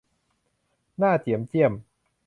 หน้าเจี๋ยมเจี้ยม